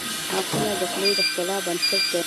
• غاښونه د خولې د ښکلا بنسټ دي.